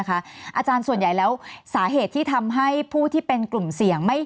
อาจารย์ส่วนใหญ่แล้วสาเหตุที่ทำให้ผู้ที่เป็นกลุ่มเสี่ยง